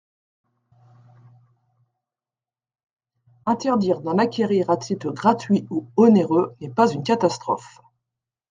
Interdire d’en acquérir à titre gratuit ou onéreux n’est pas une catastrophe.